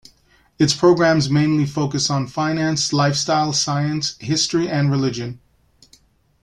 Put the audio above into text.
Its programmes mainly focus on finance, lifestyle, science, history and religion.